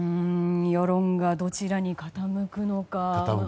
世論がどちらに傾くのか。